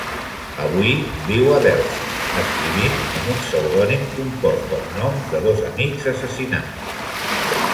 Avui viu a Delft, escrivint amb un pseudònim compost pels noms de dos amics assassinats.